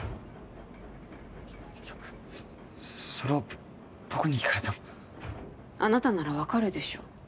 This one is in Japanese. いやそれは僕に聞かれてもあなたなら分かるでしょ？